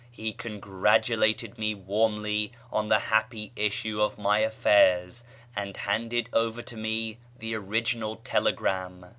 He congratulated me warmly on the happy issue of my affairs, and handed over to me the original telegram.